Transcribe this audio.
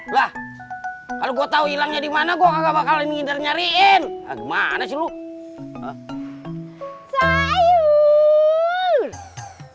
lah kalau gua tau hilangnya di mana gua gak bakalan nginder nyariin gimana sih lu sayuuu sayuuu sayuuu